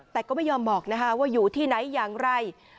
แต่ก็ไม่ยอมบอกว่าอยู่ที่ไหนอย่างไร